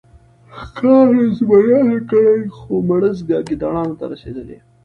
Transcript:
ښکار زمریانو کړی خو مړزکه ګیدړانو ته رسېدلې.